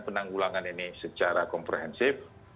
penanggulangan ini secara komprehensif